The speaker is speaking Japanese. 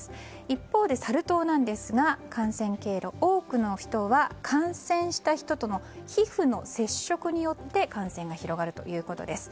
一方でサル痘ですが、感染経路多くの人は感染した人との皮膚の接触によって感染が広がるということです。